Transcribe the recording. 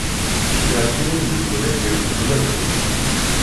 Ceggɛet yiwen deg-wen ad d-yawi gma-twen;